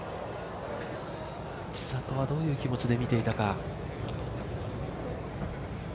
千怜はどういう気持ちで見ていたか。